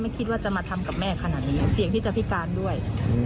คิดว่าจะมาทำกับแม่ขนาดนี้เสี่ยงที่จะพิการด้วย